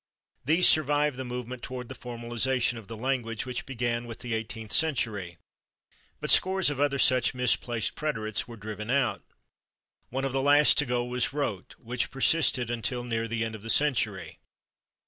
These survived the movement toward the formalization of the language which began with the eighteenth century, but scores of other such misplaced preterites were driven out. One of the last to go was /wrote/, which persisted until near the end of the century.